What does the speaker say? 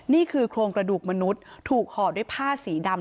นี่คือโครงกระดูกมนุษย์ถูกห่อด้วยผ้าสีดำ